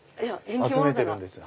集めてるんですよ。